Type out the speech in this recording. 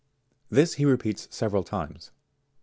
This he repeats several times.